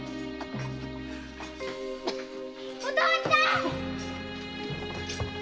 お父ちゃん！